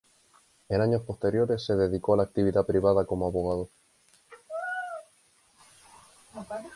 En años posteriores se dedicó a la actividad privada como abogado.